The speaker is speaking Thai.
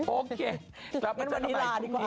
โอเคก็วันนี้ลาดีกว่า